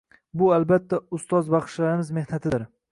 Bu, albatta, ustoz baxshilarimiz mehnatidir.